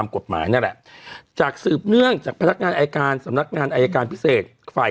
คนหนึ่งกลับไปสิงคโปร์